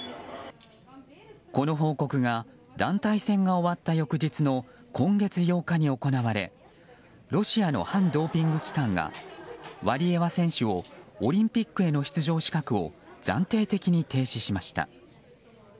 この報告が団体戦が終わった翌日の今月８日に行われロシアの反ドーピング機関がワリエワ選手をオリンピックへの出場資格を暫定的に停止しました。